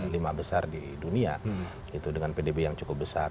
lima besar di dunia itu dengan pdb yang cukup besar